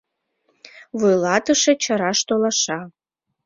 Вуйлатыше чараш толаша.